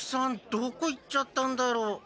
どこ行っちゃったんだろ。